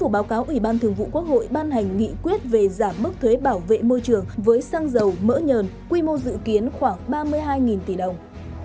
báo cáo ủy ban thường vụ quốc hội ban hành nghị quyết về giảm mức thuế bảo vệ môi trường với xăng dầu mỡ nhờn quy mô dự kiến khoảng ba mươi hai tỷ đồng